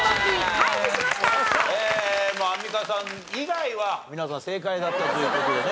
アンミカさん以外は皆さん正解だったという事でね。